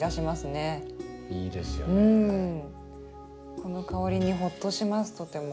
この香りにホッとしますとても。